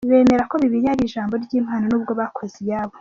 Bemera ko Bibiliya ari ijambo ry’Imana n’ubwo bakoze iyabo.